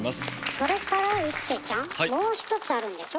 それから一生ちゃんもう一つあるんでしょ？